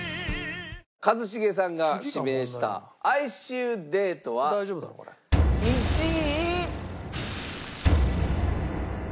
一茂さんが指名した『哀愁でいと』は１位。